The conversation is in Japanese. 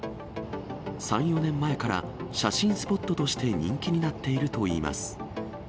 ３、４年前から写真スポットとして人気になっているといいます。